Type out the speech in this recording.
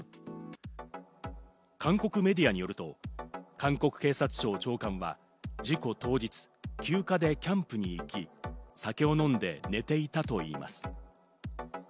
韓国メディアによると、韓国警察庁長官は事故当日、休暇でキャンプに行き、酒を飲んで寝ていたといいます。